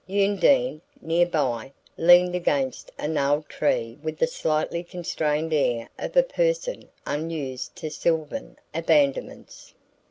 Undine, near by, leaned against a gnarled tree with the slightly constrained air of a person unused to sylvan abandonments.